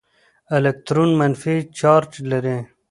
الکترون منفي چارج لري.